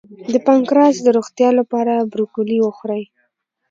د پانکراس د روغتیا لپاره بروکولي وخورئ